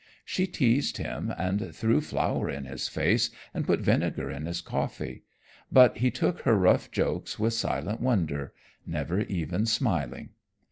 She teased him, and threw flour in his face and put vinegar in his coffee, but he took her rough jokes with silent wonder, never even smiling.